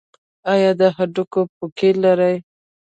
ایا د هډوکو پوکي لرئ؟